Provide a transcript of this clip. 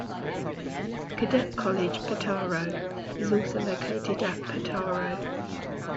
Cadet College Petaro is also located at Petaro.